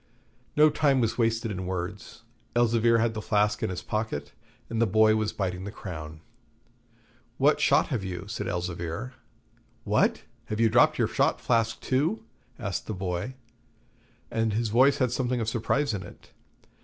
No time was wasted in words; Elzevir had the flask in his pocket, and the boy was biting the crown. 'What shot have you?' said Elzevir. 'What! have you dropped your shot flask too?' asked the boy. And his voice had something of surprise in it.